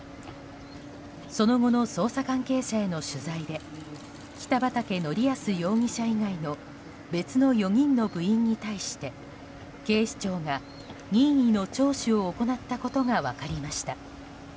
その後の捜査関係者への取材で北畠成文容疑者以外の別の４人の部員に対して警視庁が任意の聴取を行ったことが分かりました。